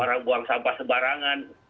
orang buang sampah sebarangan